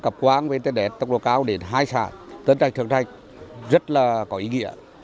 mạng internet tốc độ cao đến hai xã tân trạch thượng trạch rất là có ý nghĩa